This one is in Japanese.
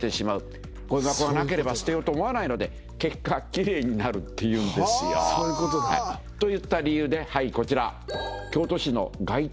ごみ箱がなければ捨てようと思わないので結果奇麗になるっていうんですよ。といった理由ではいこちら。